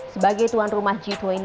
sebagai tuan rumah g dua puluh